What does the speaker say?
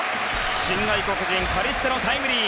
新外国人カリステのタイムリー。